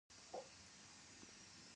په افغانستان کې د مورغاب سیند شتون لري.